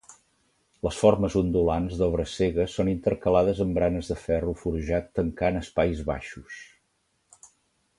Les formes ondulants, d'obra cega, són intercalades amb baranes de ferro forjat tancant espais baixos.